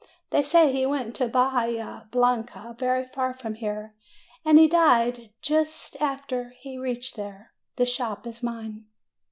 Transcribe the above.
They say he went to Bahia Blanca, very far from here. And he died ju st after he reached there. The shop is mine."